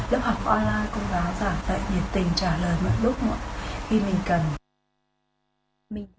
lớp học online công giáo giảm lại nhiệt tình trả lời mọi lúc khi mình cần